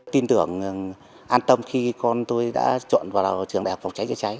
tin tưởng an tâm khi con tôi đã chọn vào trường đại học phòng cháy chữa cháy